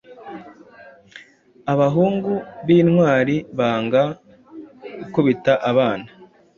Abahungu bintwari banga-gukubita abana